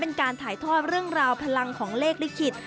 เป็นการถ่ายทอดเรื่องราวพลังของเลขลิขิต